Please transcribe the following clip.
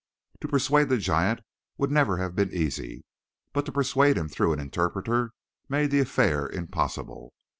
To persuade the giant would never have been easy, but to persuade him through an interpreter made the affair impossible.